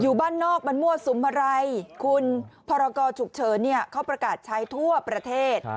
อยู่บ้านนอกมันมั่วสุมอะไรคุณภรรกชุกเฉินเขาประกาศใช้ทั่วประเทศ